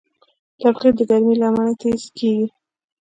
تبخیر د ګرمۍ له امله تېز کېږي.